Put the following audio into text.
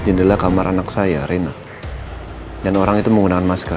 jendela kamar anak saya rina dan orang itu menggunakan masker